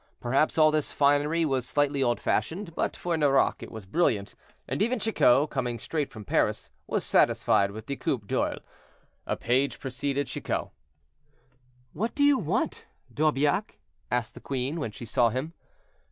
Perhaps all this finery was slightly old fashioned, but for Nerac it was brilliant, and even Chicot, coming straight from Paris, was satisfied with the coup d'oeil. A page preceded Chicot. "What do you want, D' Aubiac?" asked the queen, when she saw him.